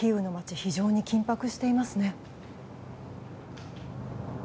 非常に緊迫していますね。